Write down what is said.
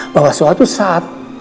bahwa suatu saat